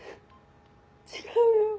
違うよ。